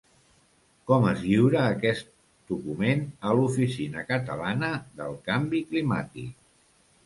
Com es lliura aquest document a l'Oficina Catalana del Canvi Climàtic?